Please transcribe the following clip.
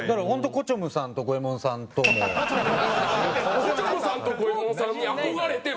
こちょむさんと五衛門さんに憧れて。